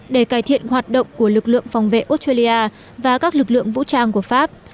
để cải thiện hoạt động của lực lượng phòng vệ australia và các lực lượng vũ trang của pháp